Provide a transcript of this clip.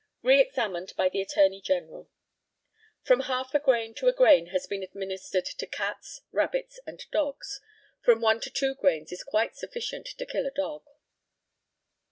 Re examined by the ATTORNEY GENERAL: From half a grain to a grain has been administered to cats, rabbits, and dogs. From one to two grains is quite sufficient to kill a dog.